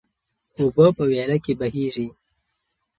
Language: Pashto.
اوبه په ویاله کې بهیږي.